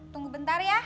tunggu bentar ya